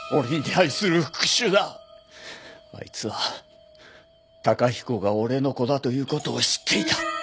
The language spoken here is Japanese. あいつは崇彦が俺の子だという事を知っていた。